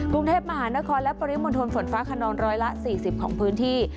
กรุงเทพมหานครและปริมณฑลฝนฟ้าขนองร้อยละ๔๐ของพื้นที่